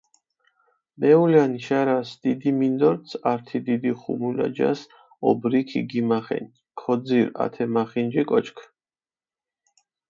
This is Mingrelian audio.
მეულანი შარას, დიდი მინდორც ართი დიდი ხუმულა ჯას ობრი ქიგიმახენი, ქოძირჷ ათე მახინჯი კოჩქჷ.